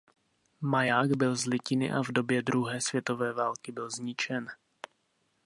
Maják byl z litiny a v době druhé světové války byl zničen.